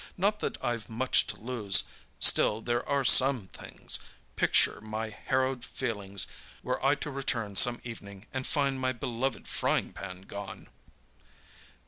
Not that I've much to lose, still there are some things. Picture my harrowed feelings were I to return some evening and find my beloved frying pan gone!"